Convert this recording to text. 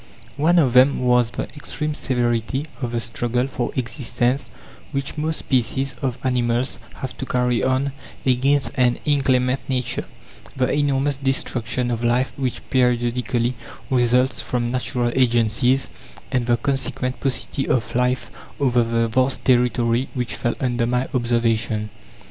One of them was the extreme severity of the struggle for existence which most species of animals have to carry on against an inclement Nature; the enormous destruction of life which periodically results from natural agencies; and the consequent paucity of life over the vast territory which fell under my observation.